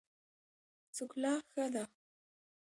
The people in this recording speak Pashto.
څکلا ښه ده.